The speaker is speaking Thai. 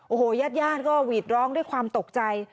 โอ้โหญาติญาติก็หวีดร้องด้วยความตกใจ